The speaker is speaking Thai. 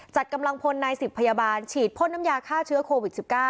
จัดกำลังพลใน๑๐พยาบาลฉีดพ่นน้ำยาฆ่าเชื้อโควิด๑๙